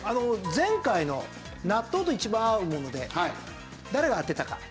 前回の納豆と一番合うもので誰が当てたか。